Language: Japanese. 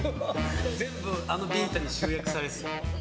全部あのビンタに集約されてた。